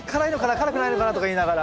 辛くないのかな？」とか言いながら。